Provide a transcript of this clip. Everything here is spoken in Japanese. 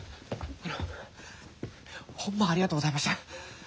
あのホンマありがとうございました。